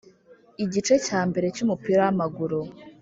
Igice cya mbere cy’umupira wamaguru.